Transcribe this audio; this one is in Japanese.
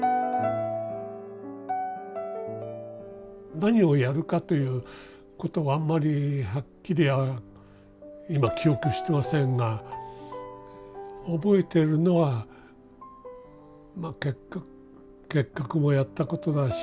何をやるかということはあんまりはっきりは今記憶してませんが覚えてるのはまあ結核もやったことだし